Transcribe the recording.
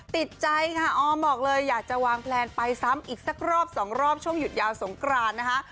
ติดใจค่ะออมบอกเลยอยากจะวางแพลนไปซ้ำอีกสักรอบสองรอบช่วงหยุดยาวสงกรานนะคะ